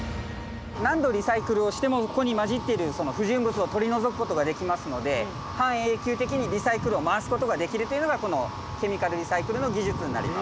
何度リサイクルをしてもここに混じっているその不純物を取り除くことができますので半永久的にリサイクルを回すことができるというのがこのケミカルリサイクルの技術になります。